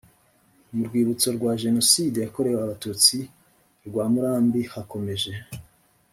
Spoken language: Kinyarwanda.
mu rwibutso rwa jenoside yakorewe abatutsi rwa murambi hakomeje